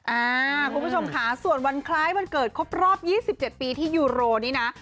คุณผู้ชมค่ะส่วนวันคล้ายวันเกิดครบรอบ๒๗ปีที่ยูโรนี่นะ